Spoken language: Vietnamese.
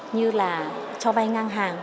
như là cho vai ngang hàng